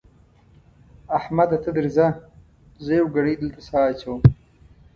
احمده ته درځه؛ زه يوه ګړۍ دلته سا اچوم.